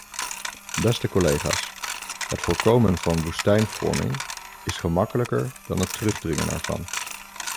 Beste collega's, het voorkomen van woestijnvorming is gemakkelijker dan het terugdringen ervan.